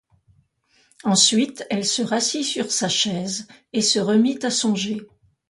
Ensuite elle se rassit sur sa chaise et se remit à songer.